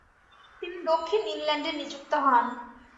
তিনি দক্ষিণ ইংল্যান্ডে নিযুক্ত হন।